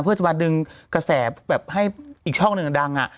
เพื่อจะมาดึงกระแสแบบให้อีกช่องหนึ่งดัง